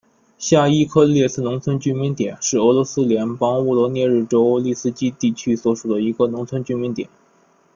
下伊科列茨农村居民点是俄罗斯联邦沃罗涅日州利斯基区所属的一个农村居民点。